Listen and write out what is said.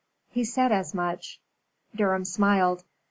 He said as much. Durham smiled.